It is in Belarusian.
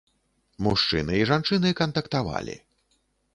Мужчыны і жанчыны кантактавалі.